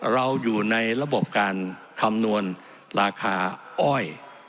เราอยู่ในระบบการคำนวณราคาอ้อย